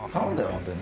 本当に。